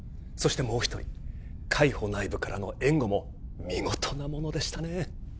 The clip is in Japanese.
そしてもう一人海保内部からの援護も見事なものでしたね